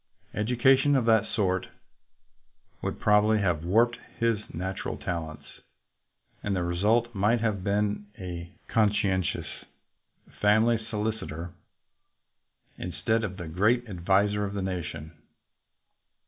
Education of that sort would probably have warped his nat ural talents, and the result might have been a conscientious family solicitor instead of the great adviser of a nation.